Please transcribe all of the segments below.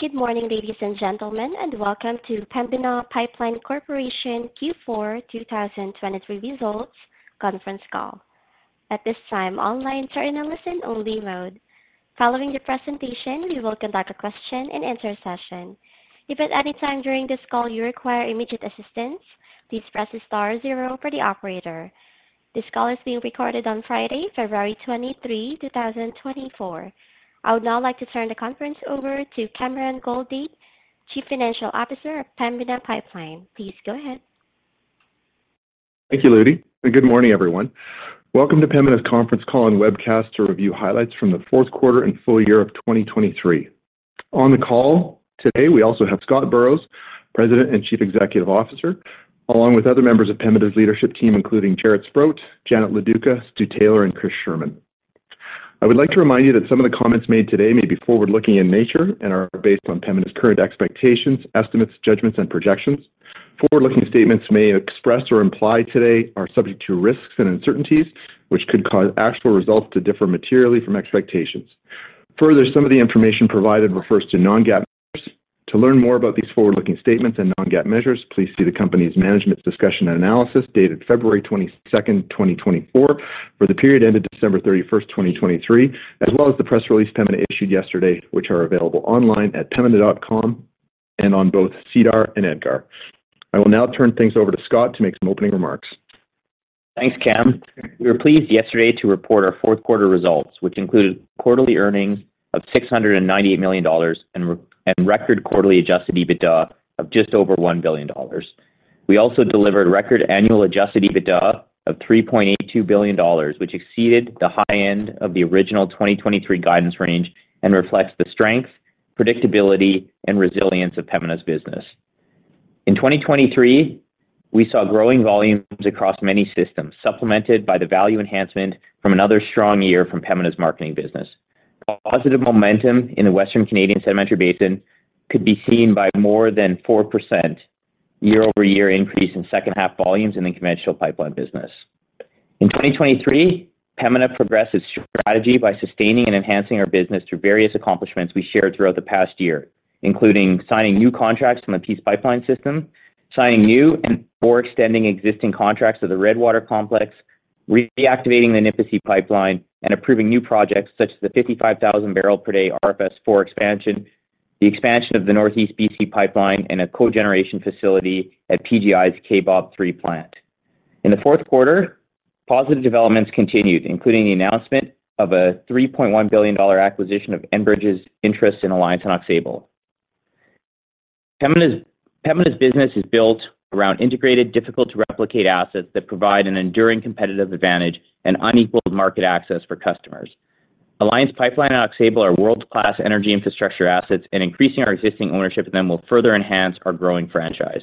Good morning, ladies and gentlemen, and welcome to Pembina Pipeline Corporation Q4 2023 results conference call. At this time, all lines are in a listen-only mode. Following the presentation, we will conduct a question-and-answer session. If at any time during this call you require immediate assistance, please press the star 0 for the operator. This call is being recorded on Friday, February 23, 2024. I would now like to turn the conference over to Cameron Goldade, Chief Financial Officer of Pembina Pipeline. Please go ahead. Thank you, Lo Duca. Good morning, everyone. Welcome to Pembina's conference call and webcast to review highlights from the fourth quarter and full year of 2023. On the call today, we also have Scott Burrows, President and Chief Executive Officer, along with other members of Pembina's leadership team, including Jaret Sprott, Janet Loduca, Stuart Taylor, and Chris Scherman. I would like to remind you that some of the comments made today may be forward-looking in nature and are based on Pembina's current expectations, estimates, judgments, and projections. Forward-looking statements may express or imply today are subject to risks and uncertainties, which could cause actual results to differ materially from expectations. Further, some of the information provided refers to non-GAAP measures. To learn more about these forward-looking statements and non-GAAP measures, please see the company's management discussion and analysis dated February 22, 2024, for the period ended December 31, 2023, as well as the press release Pembina issued yesterday, which are available online at pembina.com and on both SEDAR+ and EDGAR. I will now turn things over to Scott to make some opening remarks. Thanks, Cam. We were pleased yesterday to report our fourth quarter results, which included quarterly earnings of 698 million dollars and record quarterly adjusted EBITDA of just over 1 billion dollars. We also delivered record annual adjusted EBITDA of 3.82 billion dollars, which exceeded the high end of the original 2023 guidance range and reflects the strength, predictability, and resilience of Pembina's business. In 2023, we saw growing volumes across many systems, supplemented by the value enhancement from another strong year from Pembina's marketing business. Positive momentum in the Western Canadian Sedimentary Basin could be seen by more than 4% year-over-year increase in second-half volumes in the conventional pipeline business. In 2023, Pembina progressed its strategy by sustaining and enhancing our business through various accomplishments we shared throughout the past year, including signing new contracts from the Peace Pipeline System, signing new and/or extending existing contracts to the Redwater Complex, reactivating the Nipisi Pipeline, and approving new projects such as the 55,000-barrel per day RFS IV expansion, the expansion of the Northeast B.C. Pipeline, and a cogeneration facility at PGI's Kaybob III plant. In the fourth quarter, positive developments continued, including the announcement of a $3.1 billion acquisition of Enbridge's interest in Alliance Pipeline and Aux Sable. Pembina's business is built around integrated, difficult-to-replicate assets that provide an enduring competitive advantage and unequaled market access for customers. Alliance Pipeline and Aux Sable are world-class energy infrastructure assets, and increasing our existing ownership in them will further enhance our growing franchise.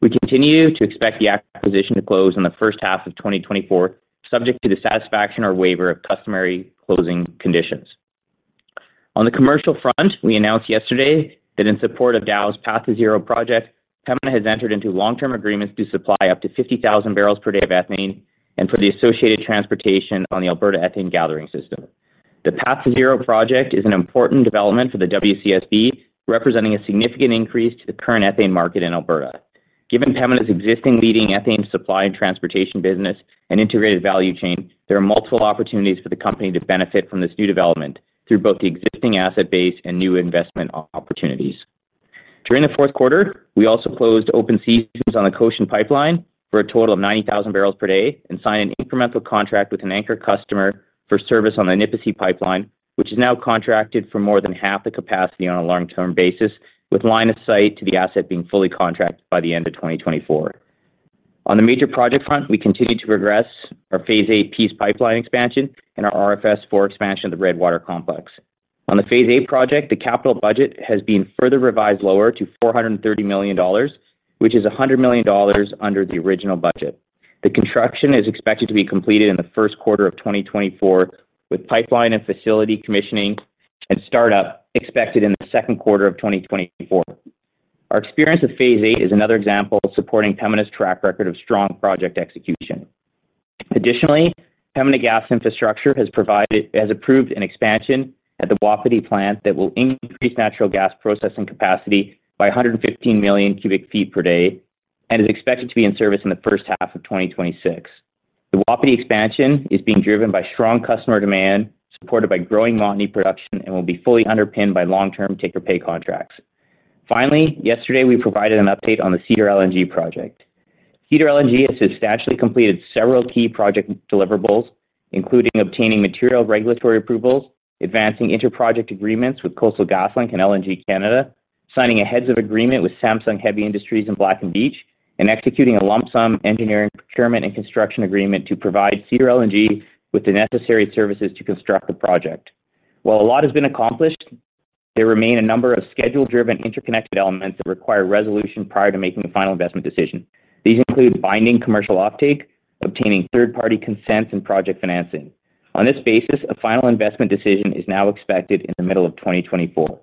We continue to expect the acquisition to close in the first half of 2024, subject to the satisfaction or waiver of customary closing conditions. On the commercial front, we announced yesterday that in support of Dow's Path to Zero project, Pembina has entered into long-term agreements to supply up to 50,000 barrels per day of ethane and for the associated transportation on the Alberta Ethane Gathering System. The Path to Zero project is an important development for the WCSB, representing a significant increase to the current ethane market in Alberta. Given Pembina's existing leading ethane supply and transportation business and integrated value chain, there are multiple opportunities for the company to benefit from this new development through both the existing asset base and new investment opportunities. During the fourth quarter, we also closed open seasons on the Cochin Pipeline for a total of 90,000 barrels per day and signed an incremental contract with an anchor customer for service on the Nipisi Pipeline, which is now contracted for more than half the capacity on a long-term basis, with line of sight to the asset being fully contracted by the end of 2024. On the major project front, we continue to progress our Phase VIII Peace Pipeline expansion and our RFS IV expansion of the Redwater Complex. On the Phase VIII project, the capital budget has been further revised lower to 430 million dollars, which is 100 million dollars under the original budget. The construction is expected to be completed in the first quarter of 2024, with pipeline and facility commissioning and startup expected in the second quarter of 2024. Our experience with Phase VIII is another example supporting Pembina's track record of strong project execution. Additionally, Pembina Gas Infrastructure has approved an expansion at the Wapiti Gas Plant that will increase natural gas processing capacity by 115 million cubic feet per day and is expected to be in service in the first half of 2026. The Wapiti Gas Plant expansion is being driven by strong customer demand, supported by growing Montney production, and will be fully underpinned by long-term take-or-pay contracts. Finally, yesterday we provided an update on the Cedar LNG project. Cedar LNG has substantially completed several key project deliverables, including obtaining material regulatory approvals, advancing interproject agreements with Coastal GasLink and LNG Canada, signing a Heads of Agreement with Samsung Heavy Industries and Black & Veatch, and executing a lump-sum engineering, procurement, and construction agreement to provide Cedar LNG with the necessary services to construct the project. While a lot has been accomplished, there remain a number of schedule-driven interconnected elements that require resolution prior to making a final investment decision. These include binding commercial offtake, obtaining third-party consents, and project financing. On this basis, a final investment decision is now expected in the middle of 2024.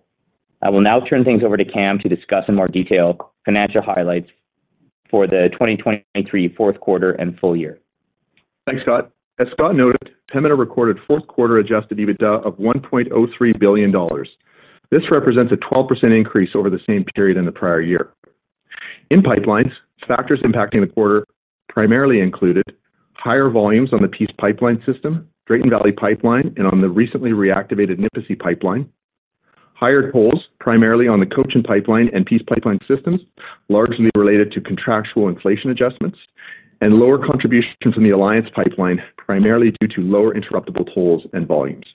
I will now turn things over to Cam to discuss in more detail financial highlights for the 2023 fourth quarter and full year. Thanks, Scott. As Scott noted, Pembina recorded fourth-quarter adjusted EBITDA of $1.03 billion. This represents a 12% increase over the same period in the prior year. In pipelines, factors impacting the quarter primarily included higher volumes on the Peace Pipeline System, Drayton Valley Pipeline, and on the recently reactivated Nipisi Pipeline, higher tolls primarily on the Cochin Pipeline and Peace Pipeline systems, largely related to contractual inflation adjustments, and lower contribution from the Alliance Pipeline, primarily due to lower interruptible tolls and volumes.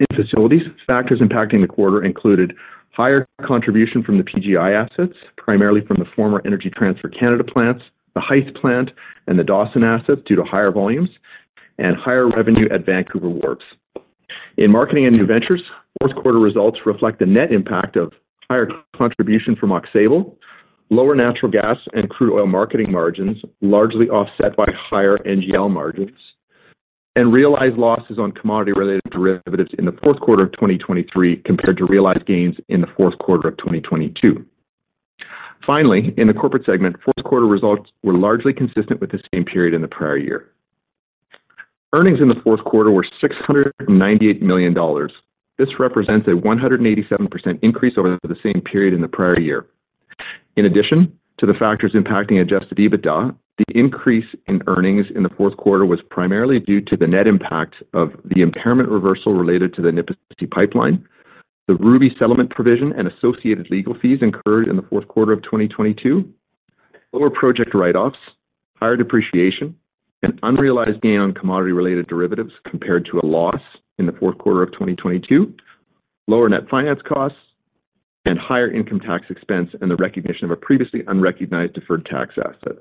In facilities, factors impacting the quarter included higher contribution from the PGI assets, primarily from the former Energy Transfer Canada plants, the Hythe Gas Plant, and the Dawson assets due to higher volumes, and higher revenue at Vancouver Wharves. In marketing and new ventures, fourth-quarter results reflect the net impact of higher contribution from Aux Sable, lower natural gas and crude oil marketing margins, largely offset by higher NGL margins, and realized losses on commodity-related derivatives in the fourth quarter of 2023 compared to realized gains in the fourth quarter of 2022. Finally, in the corporate segment, fourth-quarter results were largely consistent with the same period in the prior year. Earnings in the fourth quarter were 698 million dollars. This represents a 187% increase over the same period in the prior year. In addition to the factors impacting Adjusted EBITDA, the increase in earnings in the fourth quarter was primarily due to the net impact of the impairment reversal related to the Nipisi Pipeline, the Ruby settlement provision, and associated legal fees incurred in the fourth quarter of 2022, lower project write-offs, higher depreciation, and unrealized gain on commodity-related derivatives compared to a loss in the fourth quarter of 2022, lower net finance costs, and higher income tax expense and the recognition of a previously unrecognized deferred tax asset.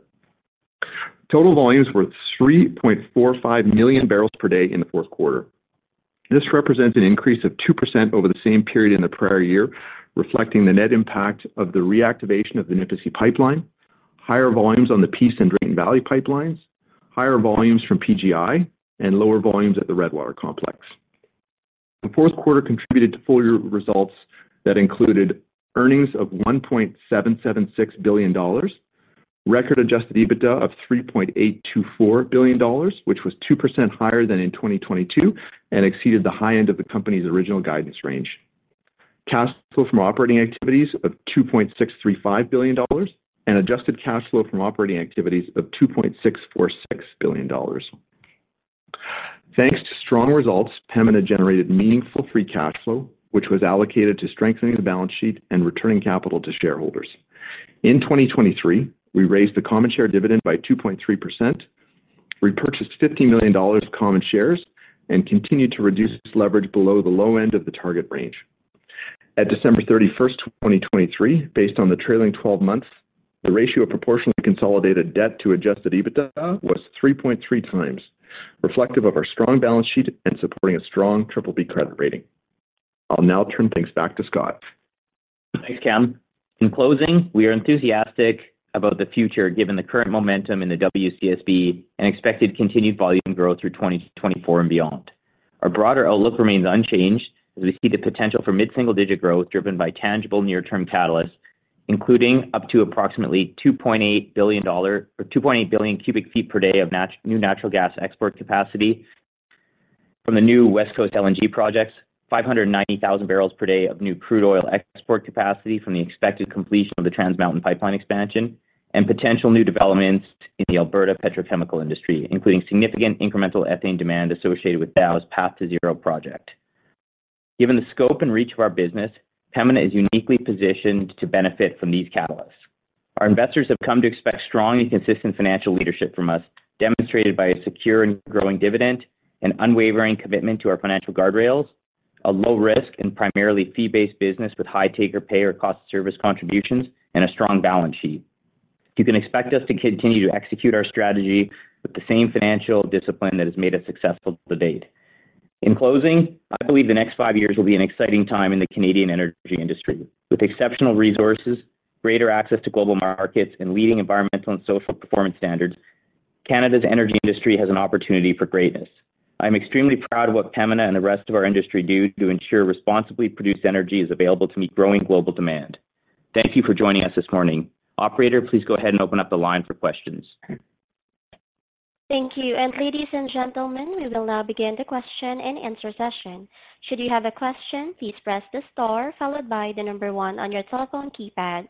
Total volumes were 3.45 million barrels per day in the fourth quarter. This represents an increase of 2% over the same period in the prior year, reflecting the net impact of the reactivation of the Nipisi Pipeline, higher volumes on the Peace and Drayton Valley Pipelines, higher volumes from PGI, and lower volumes at the Redwater Complex. The fourth quarter contributed to full-year results that included earnings of 1.776 billion dollars, record Adjusted EBITDA of 3.824 billion dollars, which was 2% higher than in 2022 and exceeded the high end of the company's original guidance range, cash flow from operating activities of 2.635 billion dollars, and adjusted cash flow from operating activities of 2.646 billion dollars. Thanks to strong results, Pembina generated meaningful free cash flow, which was allocated to strengthening the balance sheet and returning capital to shareholders. In 2023, we raised the common share dividend by 2.3%, repurchased 50 million dollars of common shares, and continued to reduce leverage below the low end of the target range. At December 31, 2023, based on the trailing 12 months, the ratio of proportionally consolidated debt to Adjusted EBITDA was 3.3 times, reflective of our strong balance sheet and supporting a strong BBB credit rating. I'll now turn things back to Scott. Thanks, Cam. In closing, we are enthusiastic about the future given the current momentum in the WCSB and expected continued volume growth through 2024 and beyond. Our broader outlook remains unchanged as we see the potential for mid-single-digit growth driven by tangible near-term catalysts, including up to approximately 2.8 billion cubic feet per day of new natural gas export capacity from the new West Coast LNG projects, 590,000 barrels per day of new crude oil export capacity from the expected completion of the Trans Mountain Pipeline expansion, and potential new developments in the Alberta petrochemical industry, including significant incremental ethane demand associated with Dow's Path to Zero project. Given the scope and reach of our business, Pembina is uniquely positioned to benefit from these catalysts. Our investors have come to expect strong and consistent financial leadership from us, demonstrated by a secure and growing dividend, an unwavering commitment to our financial guardrails, a low-risk and primarily fee-based business with high take-or-pay or cost-of-service contributions, and a strong balance sheet. You can expect us to continue to execute our strategy with the same financial discipline that has made us successful to date. In closing, I believe the next five years will be an exciting time in the Canadian energy industry. With exceptional resources, greater access to global markets, and leading environmental and social performance standards, Canada's energy industry has an opportunity for greatness. I am extremely proud of what Pembina and the rest of our industry do to ensure responsibly produced energy is available to meet growing global demand. Thank you for joining us this morning. Operator, please go ahead and open up the line for questions. Thank you. And ladies and gentlemen, we will now begin the question and answer session. Should you have a question, please press the star followed by the number one on your telephone keypad.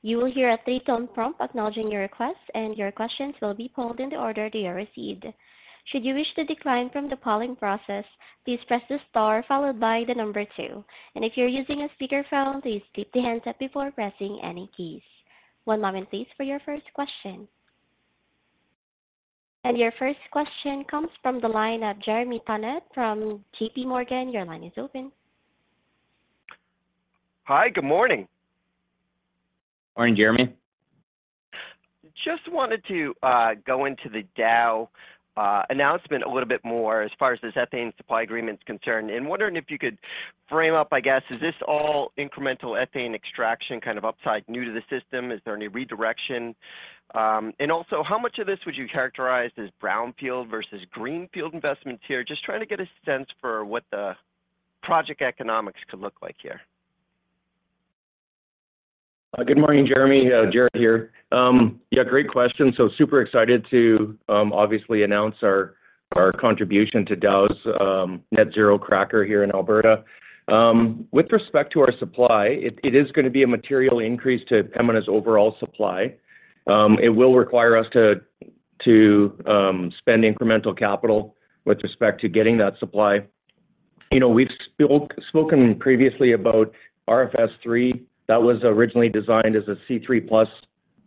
You will hear a three-tone prompt acknowledging your request, and your questions will be polled in the order they are received. Should you wish to decline from the polling process, please press the star followed by the number two. And if you're using a speakerphone, please keep the handset before pressing any keys. One moment, please, for your first question. And your first question comes from the line of Jeremy Tonet from J.P. Morgan. Your line is open. Hi. Good morning. Morning, Jeremy. Just wanted to go into the Dow announcement a little bit more as far as this ethane supply agreement's concerned and wondering if you could frame up, I guess, is this all incremental ethane extraction kind of upside, new to the system? Is there any redirection? And also, how much of this would you characterize as brownfield versus greenfield investments here? Just trying to get a sense for what the project economics could look like here. Good morning, Jeremy. Jaret here. Yeah, great question. So super excited to obviously announce our contribution to Dow's net-zero cracker here in Alberta. With respect to our supply, it is going to be a material increase to Pembina's overall supply. It will require us to spend incremental capital with respect to getting that supply. We've spoken previously about RFS III. That was originally designed as a C3+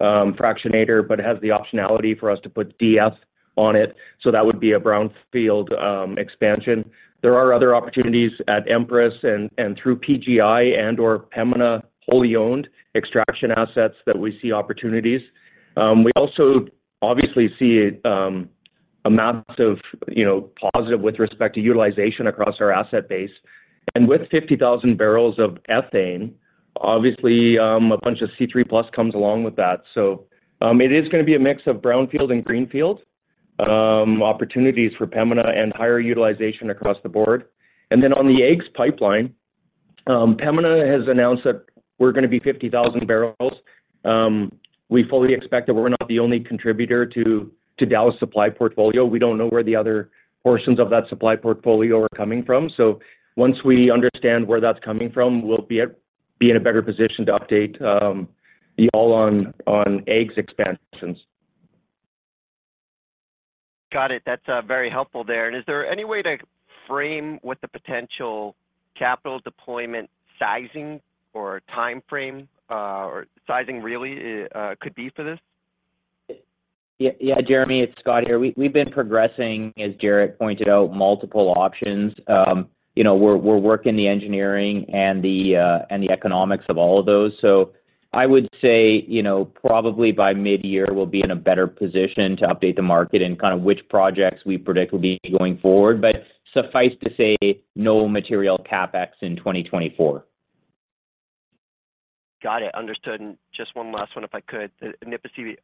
fractionator but has the optionality for us to put DF on it. So that would be a brownfield expansion. There are other opportunities at Empress and through PGI and/or Pembina wholly-owned extraction assets that we see opportunities. We also obviously see a massive positive with respect to utilization across our asset base. And with 50,000 barrels of ethane, obviously, a bunch of C3+ comes along with that. It is going to be a mix of brownfield and greenfield opportunities for Pembina and higher utilization across the board. On the AEGS pipeline, Pembina has announced that we're going to be 50,000 barrels. We fully expect that we're not the only contributor to Dow's supply portfolio. We don't know where the other portions of that supply portfolio are coming from. Once we understand where that's coming from, we'll be in a better position to update you all on AEGS expansions. Got it. That's very helpful there. Is there any way to frame what the potential capital deployment sizing or time frame or sizing, really, could be for this? Yeah, Jeremy, it's Scott here. We've been progressing, as Jaret pointed out, multiple options. We're working the engineering and the economics of all of those. So I would say probably by mid-year, we'll be in a better position to update the market and kind of which projects we predict will be going forward. But suffice to say, no material CapEx in 2024. Got it. Understood. And just one last one, if I could. The Nipisi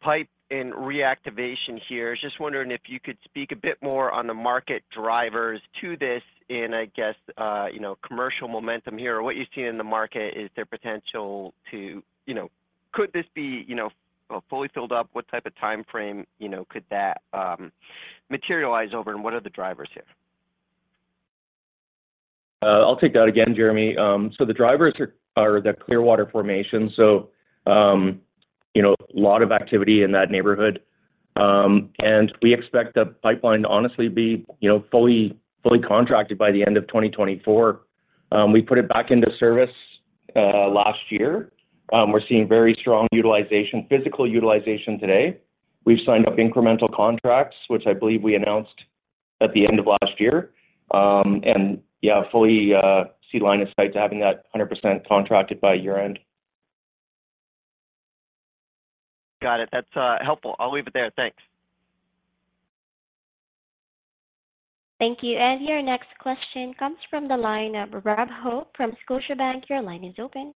Pipeline reactivation here, just wondering if you could speak a bit more on the market drivers to this in, I guess, commercial momentum here. What you've seen in the market is their potential to could this be fully filled up? What type of time frame could that materialize over, and what are the drivers here? I'll take that again, Jeremy. So the drivers are the Clearwater Formation. So a lot of activity in that neighborhood. And we expect the pipeline to honestly be fully contracted by the end of 2024. We put it back into service last year. We're seeing very strong physical utilization today. We've signed up incremental contracts, which I believe we announced at the end of last year. And yeah, fully see line of sight to having that 100% contracted by year-end. Got it. That's helpful. I'll leave it there. Thanks. Thank you. And your next question comes from the line of Rob Hope from Scotiabank. Your line is open.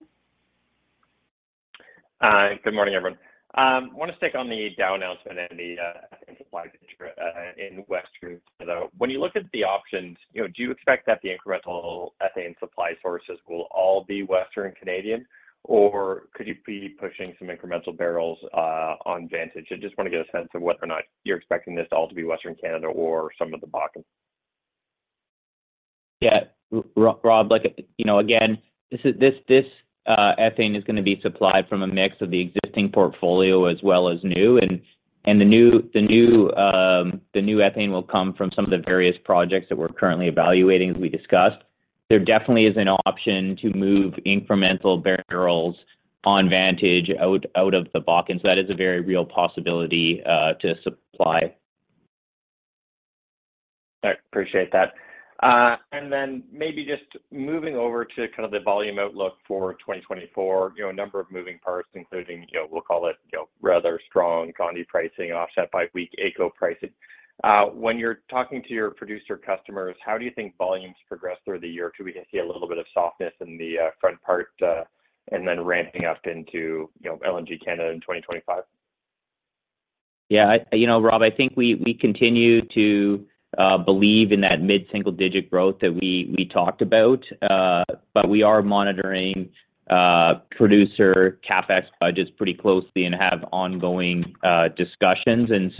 Good morning, everyone. I want to stick on the Dow announcement and the ethane supply picture in Western. When you look at the options, do you expect that the incremental ethane supply sources will all be Western Canadian, or could you be pushing some incremental barrels on Vantage? I just want to get a sense of whether or not you're expecting this all to be Western Canada or some of the Bakken. Yeah, Rob, again, this ethane is going to be supplied from a mix of the existing portfolio as well as new. The new ethane will come from some of the various projects that we're currently evaluating, as we discussed. There definitely is an option to move incremental barrels on Vantage out of the Bakken. That is a very real possibility to supply. All right. Appreciate that. Then maybe just moving over to kind of the volume outlook for 2024, a number of moving parts, including we'll call it rather strong condensate pricing, offset by weak AECO pricing. When you're talking to your producer customers, how do you think volumes progress through the year or two? We can see a little bit of softness in the front part and then ramping up into LNG Canada in 2025. Yeah, Rob, I think we continue to believe in that mid-single-digit growth that we talked about. But we are monitoring producer capex budgets pretty closely and have ongoing discussions. And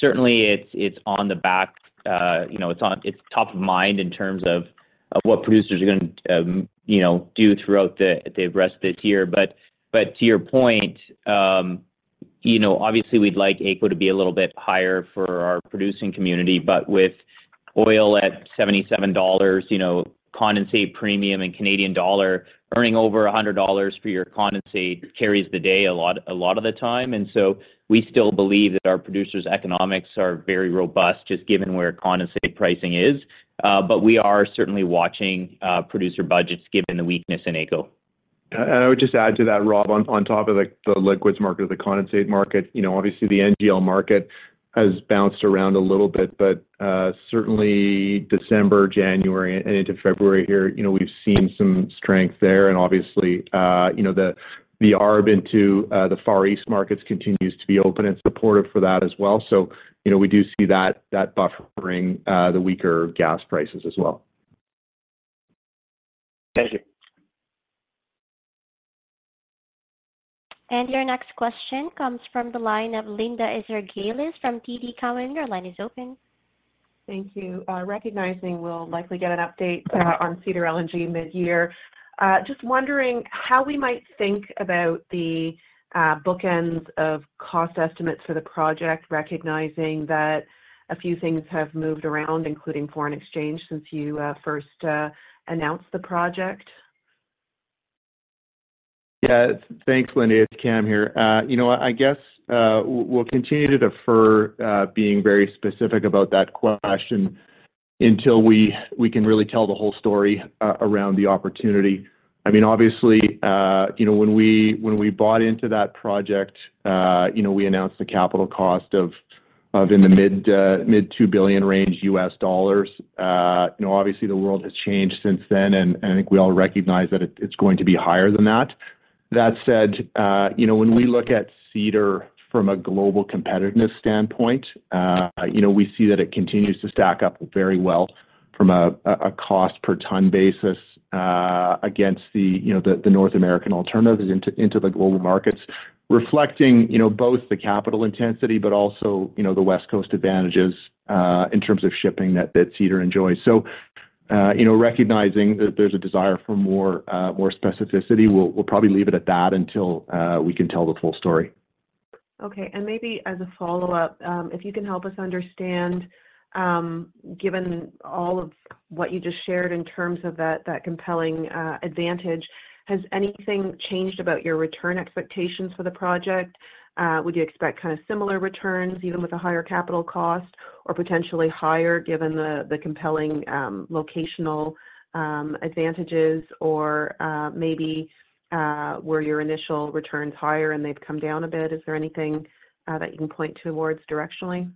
so certainly, it's on the backburner; it's top of mind in terms of what producers are going to do throughout the rest of this year. But to your point, obviously, we'd like AECO to be a little bit higher for our producing community. But with oil at $77, condensate premium in Canadian dollar, earning over 100 dollars for your condensate carries the day a lot of the time. And so we still believe that our producers' economics are very robust just given where condensate pricing is. But we are certainly watching producer budgets given the weakness in AECO. And I would just add to that, Rob, on top of the liquids market, the condensate market, obviously, the NGL market has bounced around a little bit. But certainly, December, January, and into February here, we've seen some strength there. And obviously, the ARB into the Far East markets continues to be open and supportive for that as well. So we do see that buffering the weaker gas prices as well. Thank you. Your next question comes from the line of Linda Ezergailis from TD Cowen. Your line is open. Thank you. Recognizing we'll likely get an update on Cedar LNG mid-year, just wondering how we might think about the bookends of cost estimates for the project, recognizing that a few things have moved around, including foreign exchange, since you first announced the project. Yeah. Thanks, Linda. It's Cam here. I guess we'll continue to defer being very specific about that question until we can really tell the whole story around the opportunity. I mean, obviously, when we bought into that project, we announced the capital cost of in the mid-$2 billion range. Obviously, the world has changed since then, and I think we all recognize that it's going to be higher than that. That said, when we look at Cedar from a global competitiveness standpoint, we see that it continues to stack up very well from a cost-per-ton basis against the North American alternatives into the global markets, reflecting both the capital intensity but also the West Coast advantages in terms of shipping that Cedar enjoys. So recognizing that there's a desire for more specificity, we'll probably leave it at that until we can tell the full story. Okay. And maybe as a follow-up, if you can help us understand, given all of what you just shared in terms of that compelling advantage, has anything changed about your return expectations for the project? Would you expect kind of similar returns even with a higher capital cost or potentially higher given the compelling locational advantages, or maybe were your initial returns higher and they've come down a bit? Is there anything that you can point towards directionally?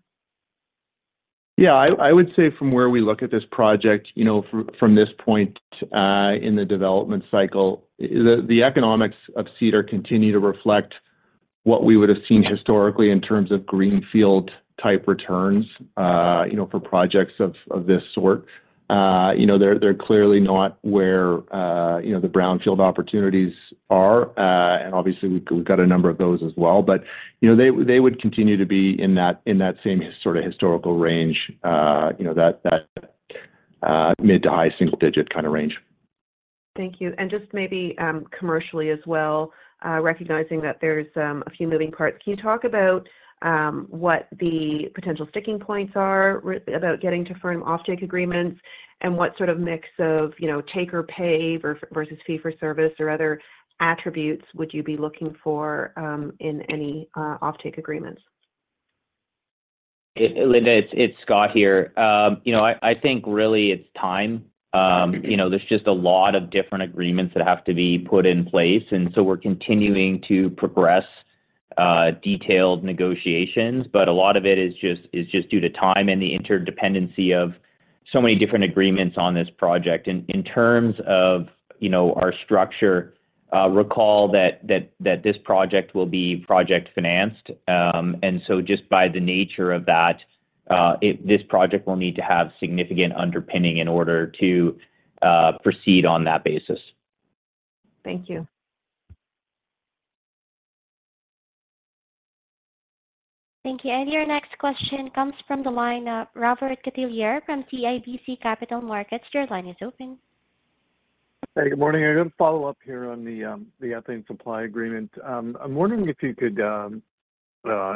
Yeah. I would say from where we look at this project, from this point in the development cycle, the economics of Cedar continue to reflect what we would have seen historically in terms of greenfield-type returns for projects of this sort. They're clearly not where the brownfield opportunities are. And obviously, we've got a number of those as well. But they would continue to be in that same sort of historical range, that mid to high single-digit kind of range. Thank you. Just maybe commercially as well, recognizing that there's a few moving parts, can you talk about what the potential sticking points are about getting to firm offtake agreements and what sort of mix of take-or-pay versus fee-for-service or other attributes would you be looking for in any offtake agreements? Linda, it's Scott here. I think really, it's time. There's just a lot of different agreements that have to be put in place. And so we're continuing to progress detailed negotiations. But a lot of it is just due to time and the interdependency of so many different agreements on this project. In terms of our structure, recall that this project will be project-financed. And so just by the nature of that, this project will need to have significant underpinning in order to proceed on that basis. Thank you. Thank you. Your next question comes from the line of Robert Catellier from CIBC Capital Markets. Your line is open. Hey. Good morning. I got a follow-up here on the ethane supply agreement. I'm wondering if you could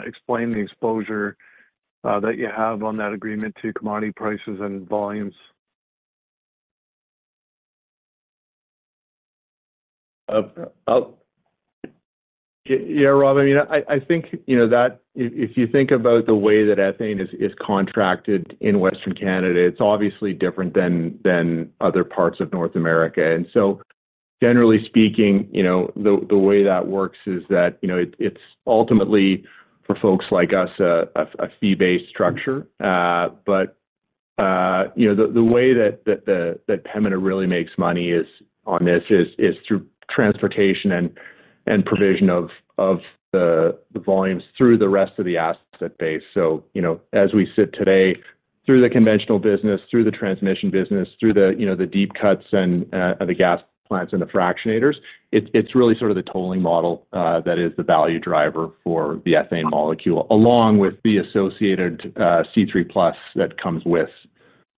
explain the exposure that you have on that agreement to commodity prices and volumes. Yeah, Rob. I mean, I think that if you think about the way that ethane is contracted in Western Canada, it's obviously different than other parts of North America. And so generally speaking, the way that works is that it's ultimately for folks like us a fee-based structure. But the way that Pembina really makes money on this is through transportation and provision of the volumes through the rest of the asset base. So as we sit today, through the conventional business, through the transmission business, through the deep cuts and the gas plants and the fractionators, it's really sort of the tolling model that is the value driver for the ethane molecule along with the associated C3+ that comes with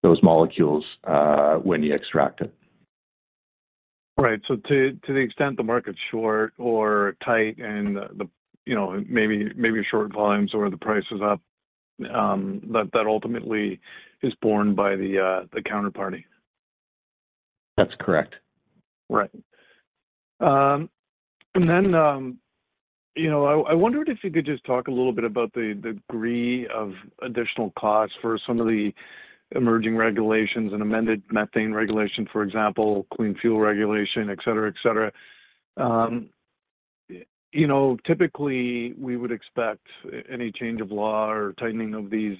those molecules when you extract it. Right. So to the extent the market's short or tight and maybe short volumes or the price is up, that ultimately is borne by the counterparty. That's correct. Right. And then I wondered if you could just talk a little bit about the degree of additional costs for some of the emerging regulations, an amended methane regulation, for example, clean fuel regulation, etc., etc. Typically, we would expect any change of law or tightening of these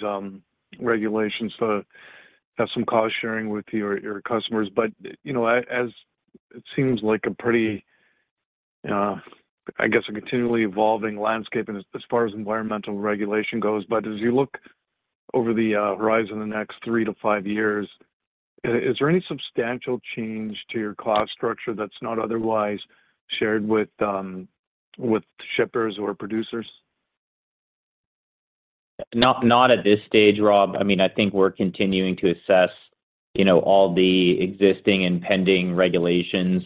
regulations to have some cost-sharing with your customers. But as it seems like a pretty, I guess, a continually evolving landscape as far as environmental regulation goes. But as you look over the horizon in the next three to five years, is there any substantial change to your cost structure that's not otherwise shared with shippers or producers? Not at this stage, Rob. I mean, I think we're continuing to assess all the existing and pending regulations.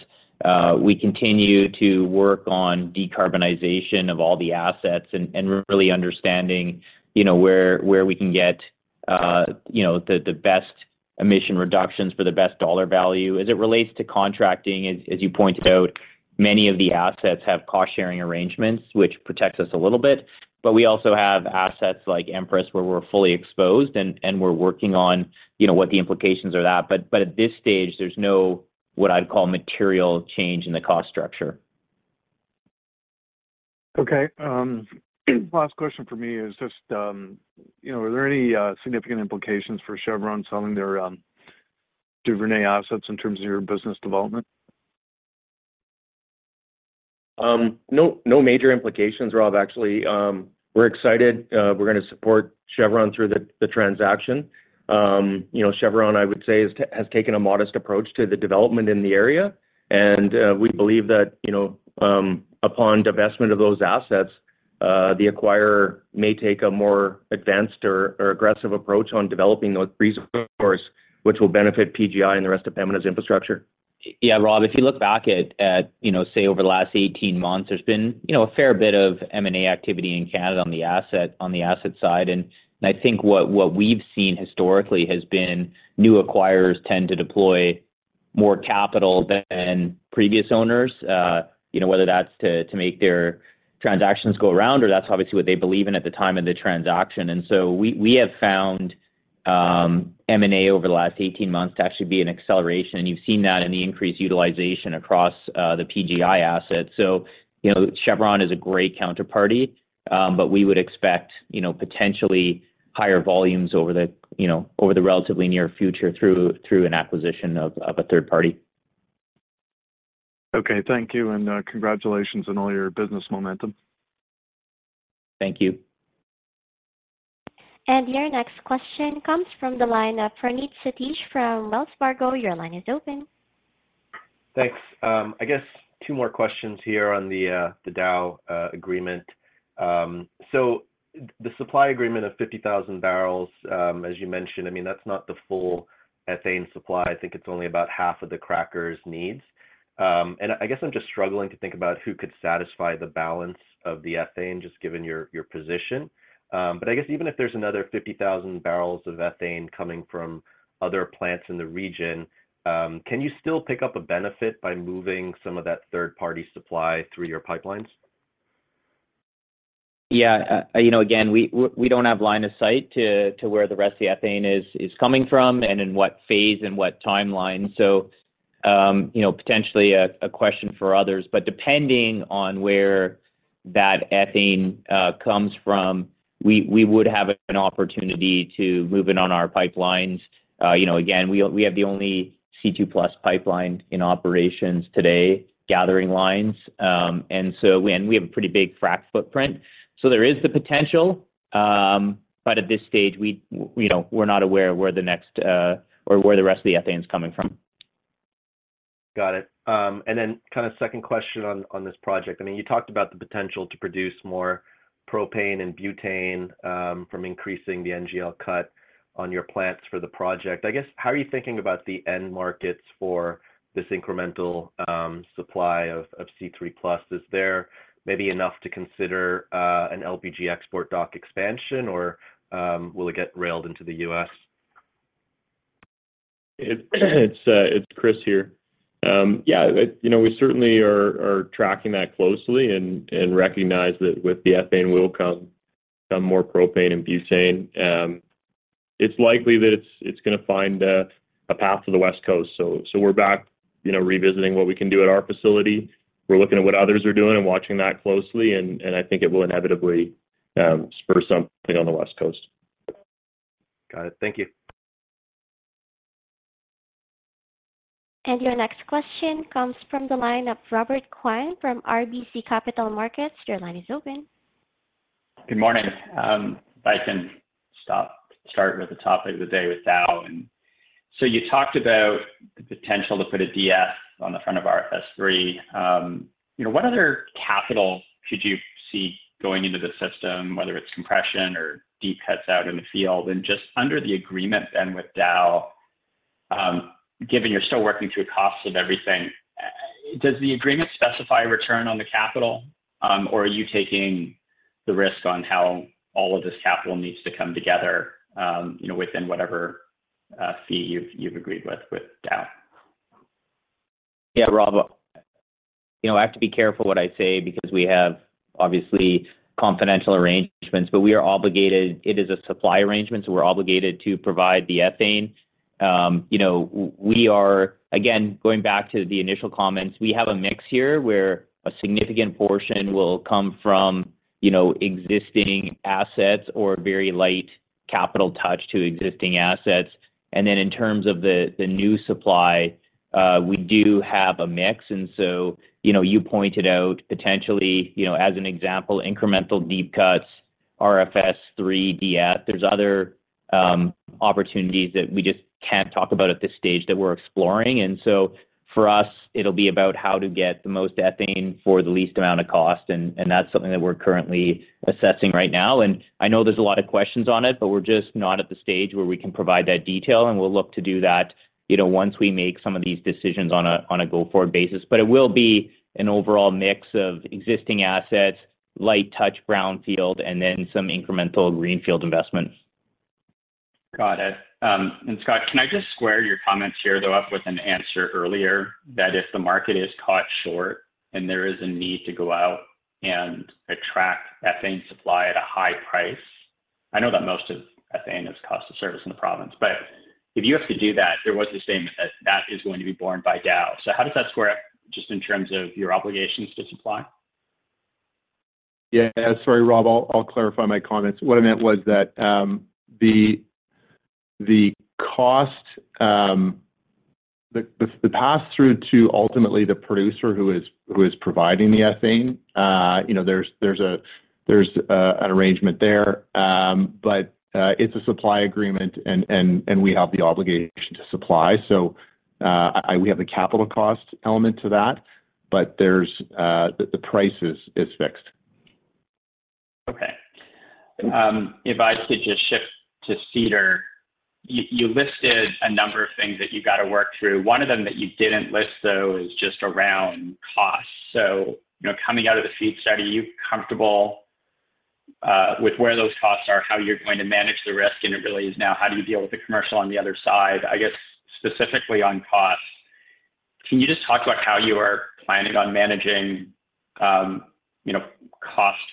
We continue to work on decarbonization of all the assets and really understanding where we can get the best emission reductions for the best dollar value. As it relates to contracting, as you pointed out, many of the assets have cost-sharing arrangements, which protects us a little bit. But we also have assets like Empress where we're fully exposed, and we're working on what the implications of that. But at this stage, there's no what I'd call material change in the cost structure. Okay. Last question for me is just, are there any significant implications for Chevron selling their Duvernay assets in terms of your business development? No major implications, Rob, actually. We're excited. We're going to support Chevron through the transaction. Chevron, I would say, has taken a modest approach to the development in the area. And we believe that upon divestment of those assets, the acquirer may take a more advanced or aggressive approach on developing those resources, which will benefit PGI and the rest of Pembina's infrastructure. Yeah, Rob, if you look back at, say, over the last 18 months, there's been a fair bit of M&A activity in Canada on the asset side. And I think what we've seen historically has been new acquirers tend to deploy more capital than previous owners, whether that's to make their transactions go around or that's obviously what they believe in at the time of the transaction. And so we have found M&A over the last 18 months to actually be an acceleration. And you've seen that in the increased utilization across the PGI assets. So Chevron is a great counterparty, but we would expect potentially higher volumes over the relatively near future through an acquisition of a third party. Okay. Thank you. And congratulations on all your business momentum. Thank you. Your next question comes from the line of Praneeth Satish from Wells Fargo. Your line is open. Thanks. I guess two more questions here on the Dow agreement. So the supply agreement of 50,000 barrels, as you mentioned, I mean, that's not the full ethane supply. I think it's only about half of the cracker's needs. And I guess I'm just struggling to think about who could satisfy the balance of the ethane, just given your position. But I guess even if there's another 50,000 barrels of ethane coming from other plants in the region, can you still pick up a benefit by moving some of that third-party supply through your pipelines? Yeah. Again, we don't have line of sight to where the rest of the ethane is coming from and in what phase and what timeline. So potentially a question for others. But depending on where that ethane comes from, we would have an opportunity to move it on our pipelines. Again, we have the only C2+ pipeline in operations today, gathering lines. And we have a pretty big frac footprint. So there is the potential, but at this stage, we're not aware of where the next or where the rest of the ethane is coming from. Got it. And then kind of second question on this project. I mean, you talked about the potential to produce more propane and butane from increasing the NGL cut on your plants for the project. I guess how are you thinking about the end markets for this incremental supply of C3+? Is there maybe enough to consider an LPG export dock expansion, or will it get railed into the U.S.? It's Chris here. Yeah. We certainly are tracking that closely and recognize that with the ethane, we'll come more propane and butane. It's likely that it's going to find a path to the West Coast. So we're back revisiting what we can do at our facility. We're looking at what others are doing and watching that closely. And I think it will inevitably spur something on the West Coast. Got it. Thank you. Your next question comes from the line of Robert Kwan from RBC Capital Markets. Your line is open. Good morning. If I can start with the topic of the day with Dow. And so you talked about the potential to put a DF on the front of RFS3. What other capital could you see going into the system, whether it's compression or deep cuts out in the field? And just under the agreement then with Dow, given you're still working through costs of everything, does the agreement specify a return on the capital, or are you taking the risk on how all of this capital needs to come together within whatever fee you've agreed with Dow? Yeah, Rob, I have to be careful what I say because we have obviously confidential arrangements. But we are obligated. It is a supply arrangement, so we're obligated to provide the ethane. Again, going back to the initial comments, we have a mix here where a significant portion will come from existing assets or a very light capital touch to existing assets. And then in terms of the new supply, we do have a mix. And so you pointed out potentially, as an example, incremental Deep Cuts, RFS3, DF. There's other opportunities that we just can't talk about at this stage that we're exploring. And so for us, it'll be about how to get the most ethane for the least amount of cost. And that's something that we're currently assessing right now. I know there's a lot of questions on it, but we're just not at the stage where we can provide that detail. We'll look to do that once we make some of these decisions on a go-forward basis. It will be an overall mix of existing assets, light touch brownfield, and then some incremental greenfield investment. Got it. And Scott, can I just square your comments here, though, up with an answer earlier that if the market is caught short and there is a need to go out and attract ethane supply at a high price? I know that most of ethane is cost of service in the province. But if you have to do that, there was a statement that that is going to be borne by Dow. So how does that square up just in terms of your obligations to supply? Yeah. Sorry, Rob. I'll clarify my comments. What I meant was that the cost, the pass-through to ultimately the producer who is providing the ethane, there's an arrangement there. But it's a supply agreement, and we have the obligation to supply. So we have a capital cost element to that, but the price is fixed. Okay. If I could just shift to Cedar, you listed a number of things that you've got to work through. One of them that you didn't list, though, is just around costs. So coming out of the feed study, are you comfortable with where those costs are, how you're going to manage the risk? And it really is now, how do you deal with the commercial on the other side? I guess specifically on cost, can you just talk about how you are planning on managing cost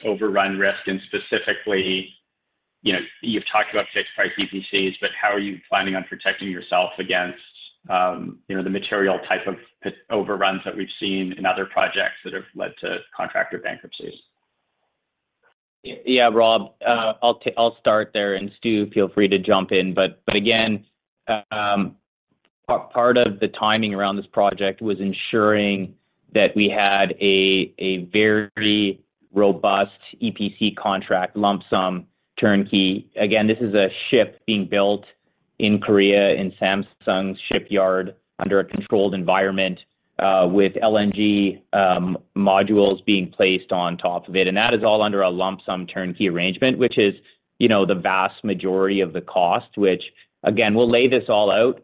overrun risk? And specifically, you've talked about fixed-price EPCs, but how are you planning on protecting yourself against the material type of overruns that we've seen in other projects that have led to contractor bankruptcies? Yeah, Rob. I'll start there, and Stu, feel free to jump in. But again, part of the timing around this project was ensuring that we had a very robust EPC contract, lump-sum turnkey. Again, this is a ship being built in Korea, in Samsung's shipyard under a controlled environment with LNG modules being placed on top of it. And that is all under a lump-sum turnkey arrangement, which is the vast majority of the cost, which, again, we'll lay this all out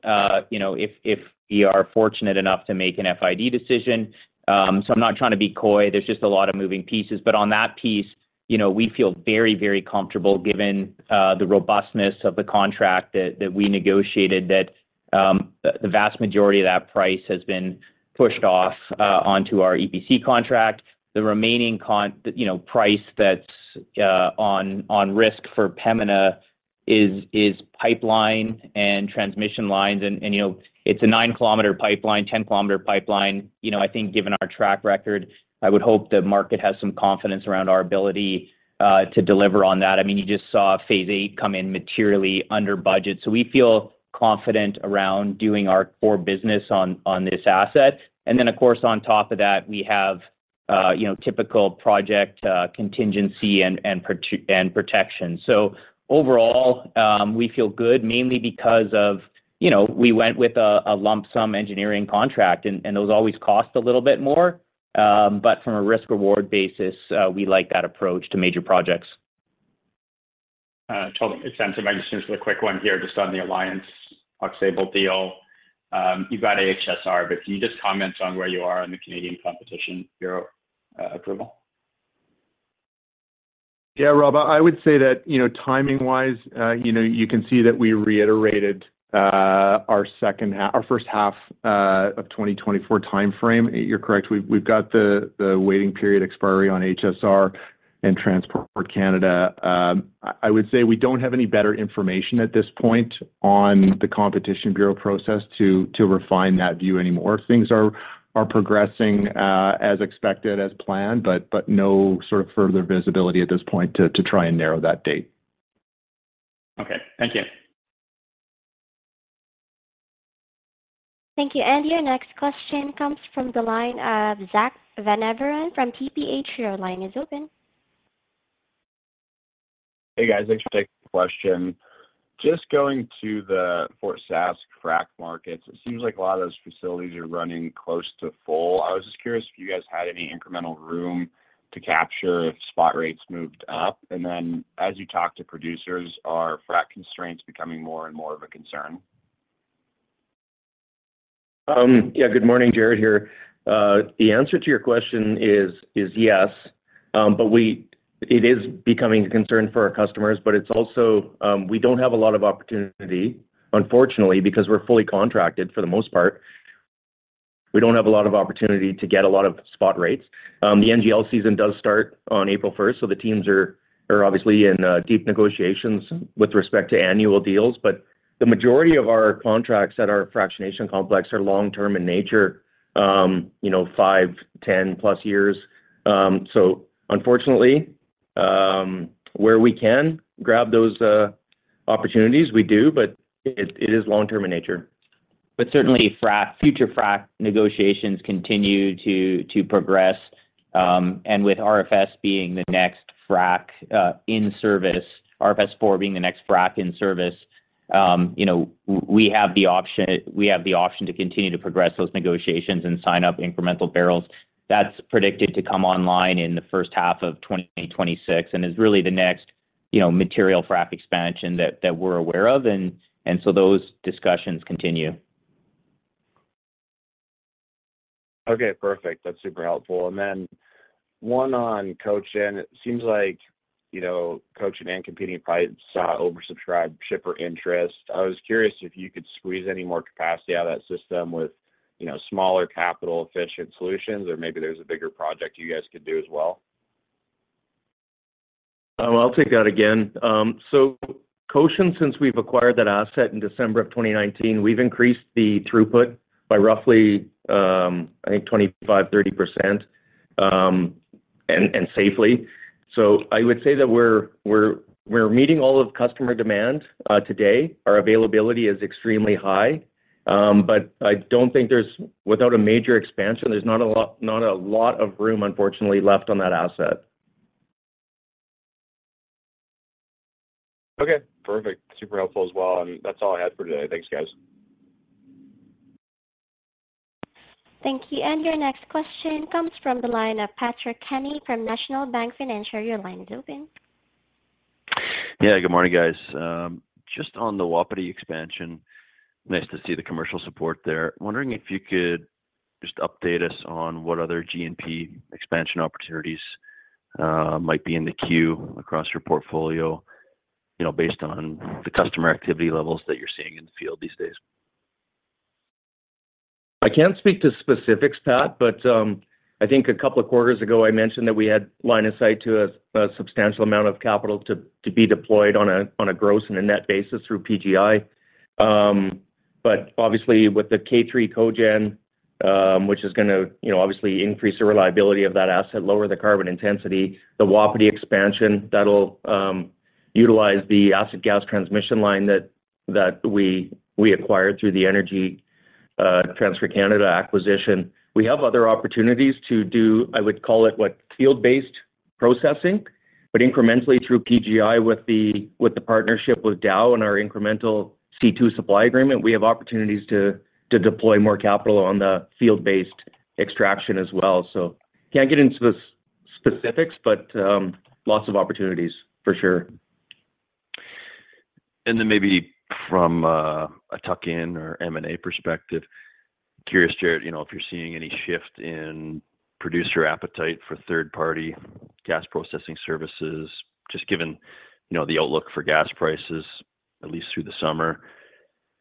if we are fortunate enough to make an FID decision. So I'm not trying to be coy. There's just a lot of moving pieces. But on that piece, we feel very, very comfortable given the robustness of the contract that we negotiated, that the vast majority of that price has been pushed off onto our EPC contract. The remaining price that's on risk for Pembina is pipeline and transmission lines. It's a nine kilometer pipeline, 10-kilometer pipeline. I think given our track record, I would hope the market has some confidence around our ability to deliver on that. I mean, you just saw Phase VIII come in materially under budget. So we feel confident around doing our core business on this asset. And then, of course, on top of that, we have typical project contingency and protection. So overall, we feel good, mainly because we went with a lump-sum engineering contract. And those always cost a little bit more. But from a risk-reward basis, we like that approach to major projects. Totally makes sense. I'm going to just do a quick one here just on the Alliance Aux Sable deal. You've got HSR, but can you just comment on where you are on the Canadian Competition Bureau approval? Yeah, Rob. I would say that timing-wise, you can see that we reiterated our first half of 2024 timeframe. You're correct. We've got the waiting period expiry on HSR and Transport Canada. I would say we don't have any better information at this point on the Competition Bureau process to refine that view anymore. Things are progressing as expected, as planned, but no sort of further visibility at this point to try and narrow that date. Okay. Thank you. Thank you. And your next question comes from the line of Zack Van Everen from TPH, your line is open. Hey, guys. Thanks for taking the question. Just going to the Fort Sask frac markets, it seems like a lot of those facilities are running close to full. I was just curious if you guys had any incremental room to capture if spot rates moved up. And then as you talk to producers, are frac constraints becoming more and more of a concern? Yeah. Good morning. Jaret here. The answer to your question is yes. It is becoming a concern for our customers. But we don't have a lot of opportunity, unfortunately, because we're fully contracted for the most part. We don't have a lot of opportunity to get a lot of spot rates. The NGL season does start on April 1st. So the teams are obviously in deep negotiations with respect to annual deals. But the majority of our contracts at our fractionation complex are long-term in nature, 5, 10+ years. So unfortunately, where we can grab those opportunities, we do, but it is long-term in nature. But certainly, future frac negotiations continue to progress. With RFS being the next frac in service, RFS 4 being the next frac in service, we have the option to continue to progress those negotiations and sign up incremental barrels. That's predicted to come online in the first half of 2026 and is really the next material frac expansion that we're aware of. Those discussions continue. Okay. Perfect. That's super helpful. And then one on Cochin. It seems like Cochin and competing pipes saw oversubscribed shipper interest. I was curious if you could squeeze any more capacity out of that system with smaller capital, efficient solutions, or maybe there's a bigger project you guys could do as well. I'll take that again. So, Cochin, since we've acquired that asset in December of 2019, we've increased the throughput by roughly, I think, 25%-30% and safely. So I would say that we're meeting all of customer demand today. Our availability is extremely high. But I don't think there's without a major expansion, there's not a lot of room, unfortunately, left on that asset. Okay. Perfect. Super helpful as well. That's all I had for today. Thanks, guys. Thank you. And your next question comes from the line of Patrick Kenny from National Bank Financial. Your line is open. Yeah. Good morning, guys. Just on the Wapiti expansion, nice to see the commercial support there. Wondering if you could just update us on what other GNP expansion opportunities might be in the queue across your portfolio based on the customer activity levels that you're seeing in the field these days. I can't speak to specifics, Pat, but I think a couple of quarters ago, I mentioned that we had line of sight to a substantial amount of capital to be deployed on a gross and a net basis through PGI. But obviously, with the K3 cogeneration, which is going to obviously increase the reliability of that asset, lower the carbon intensity, the Wapiti expansion, that'll utilize the acid-gas transmission line that we acquired through the Energy Transfer Canada acquisition. We have other opportunities to do, I would call it, what, field-based processing, but incrementally through PGI with the partnership with Dow and our incremental C2 supply agreement, we have opportunities to deploy more capital on the field-based extraction as well. So can't get into the specifics, but lots of opportunities for sure. Then maybe from a tuck-in or M&A perspective, curious, Jaret, if you're seeing any shift in producer appetite for third-party gas processing services, just given the outlook for gas prices, at least through the summer,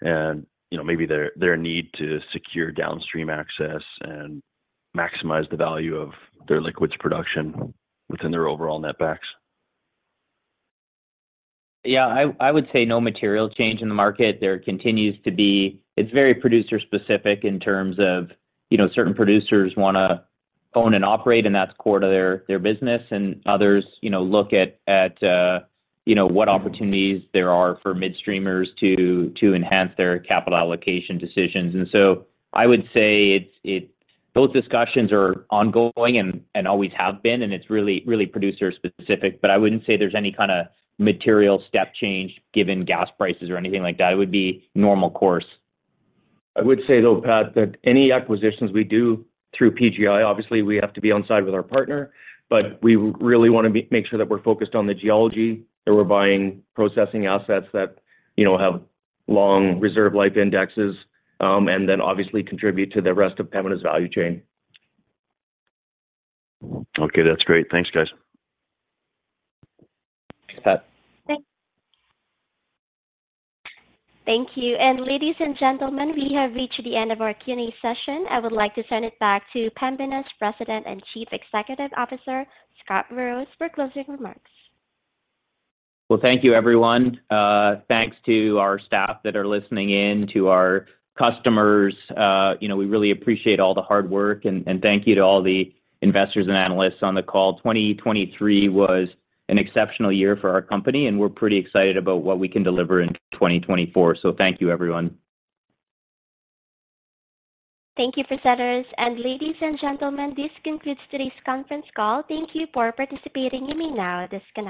and maybe their need to secure downstream access and maximize the value of their liquids production within their overall netbacks? Yeah. I would say no material change in the market. There continues to be. It's very producer-specific in terms of certain producers want to own and operate, and that's core to their business. Others look at what opportunities there are for midstreamers to enhance their capital allocation decisions. So I would say both discussions are ongoing and always have been, and it's really producer-specific. But I wouldn't say there's any kind of material step change given gas prices or anything like that. It would be normal course. I would say, though, Pat, that any acquisitions we do through PGI, obviously, we have to be onside with our partner. But we really want to make sure that we're focused on the geology, that we're buying processing assets that have long reserve life indexes and then obviously contribute to the rest of Pembina's value chain. Okay. That's great. Thanks, guys. Thanks, Pat. Thank you. Ladies and gentlemen, we have reached the end of our Q&A session. I would like to send it back to Pembina's President and Chief Executive Officer, Scott Burrows, for closing remarks. Well, thank you, everyone. Thanks to our staff that are listening in, to our customers. We really appreciate all the hard work. Thank you to all the investors and analysts on the call. 2023 was an exceptional year for our company, and we're pretty excited about what we can deliver in 2024. Thank you, everyone. Thank you, presenters. Ladies and gentlemen, this concludes today's conference call. Thank you for participating. You may now disconnect.